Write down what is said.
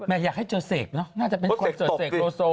อยากให้เจอเสกเนอะน่าจะเป็นคอนเสิร์ตเสกโลโซ